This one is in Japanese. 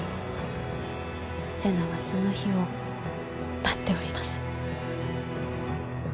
瀬名はその日を待っております。